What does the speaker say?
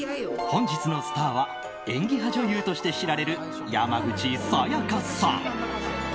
本日のスターは演技派女優として知られる山口紗弥加さん。